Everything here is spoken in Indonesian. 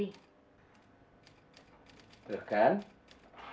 jika ibu tidak menolong suami